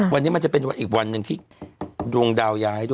วันนี้มันจะเป็นอีกวันหนึ่งที่ดวงดาวย้ายด้วย